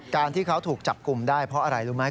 การที่เขาถูกจับกลุ่มได้เพราะอะไรรู้ไหม